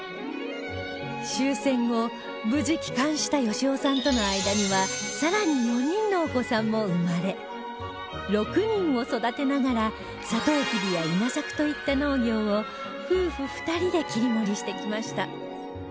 終戦後無事帰還した善雄さんとの間には更に４人のお子さんも生まれ６人を育てながらサトウキビや稲作といった農業を夫婦２人で切り盛りしてきました